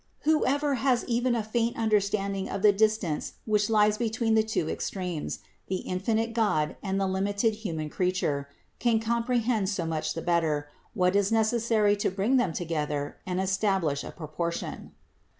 Whoever has even a faint understanding of the distance which lies between the two extremes, the infinite God and the limited human crea ture, can comprehend so much the better, what is neces sary to bring them together and establish a proportion.